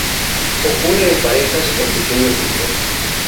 Ocurre en parejas o en pequeños grupos.